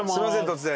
突然。